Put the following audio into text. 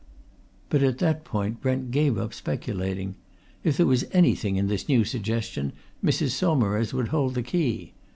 But at that point Brent gave up speculating. If there was anything in this new suggestion, Mrs. Saumarez would hold the key.